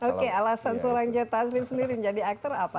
oke alasan seorang joe taslim sendiri menjadi aktor apa